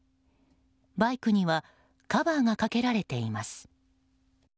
バイクにはカバーがかけられています。